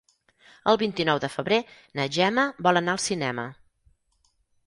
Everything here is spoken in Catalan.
El vint-i-nou de febrer na Gemma vol anar al cinema.